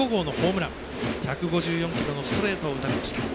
１５４キロのストレートを打たれました。